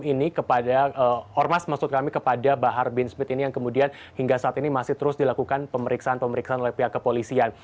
ini kepada ormas maksud kami kepada bahar bin smith ini yang kemudian hingga saat ini masih terus dilakukan pemeriksaan pemeriksaan oleh pihak kepolisian